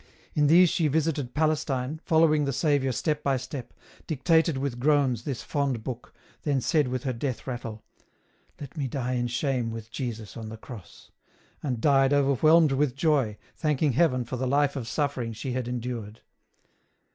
In these she visited Palestine, following the Saviour step by step, dictated with groans this fond book, then said with her death rattle, " Let me die in shame with Jesus on the Cross," and died overwhelmed with joy, thanking Heaven for the life of suffering slv had endured.